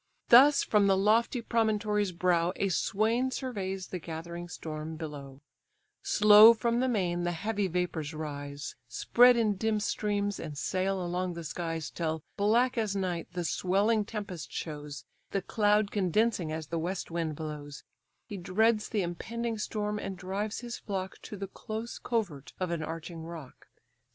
Thus from the lofty promontory's brow A swain surveys the gathering storm below; Slow from the main the heavy vapours rise, Spread in dim streams, and sail along the skies, Till black as night the swelling tempest shows, The cloud condensing as the west wind blows: He dreads the impending storm, and drives his flock To the close covert of an arching rock.